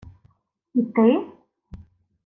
— І ти?